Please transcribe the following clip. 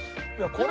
これ。